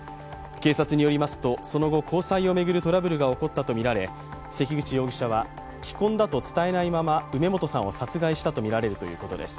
警察によりますとその後、交際を巡るトラブルが起こったとみられ関口容疑者は既婚だと伝えないまま梅本さんを殺害したとみられるということです。